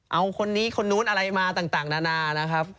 เอาคนนี้คนนู้นอะไรมาต่างนานานะครับ